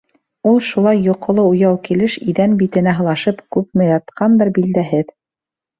Ул шулай йоҡоло-уяу килеш иҙән битенә һылашып күнме ятҡандыр, билдәһеҙ.